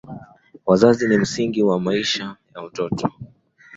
Wazazi ni msingi kwa maisha ya mtoto